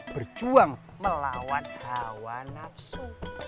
berjuang melawan hawa nafsu